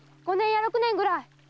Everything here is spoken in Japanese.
五年や六年ぐらい。